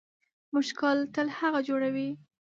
مشکل تل هغه جوړوي